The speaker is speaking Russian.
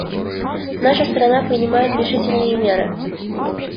Наша страна принимает решительные меры.